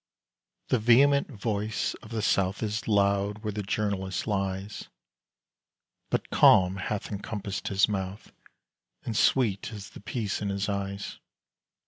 The vehement voice of the South Is loud where the journalist lies; But calm hath encompassed his mouth, And sweet is the peace in his eyes.